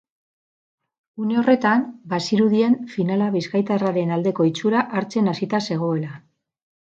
Une horretan, bazirudien finala bizkaitarraren aldeko itxura hartzen hasita zegoela.